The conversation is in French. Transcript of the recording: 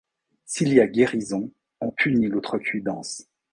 S’il y a guérison, on punit l’outrecuidance.